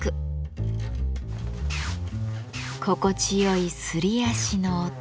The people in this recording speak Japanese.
心地よいすり足の音。